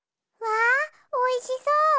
わあおいしそう！